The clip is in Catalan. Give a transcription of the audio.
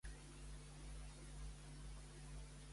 Sobre què es diu que s'expressava, el torrent?